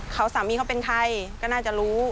เขาสามีเขาเป็นใครก็น่าจะรู้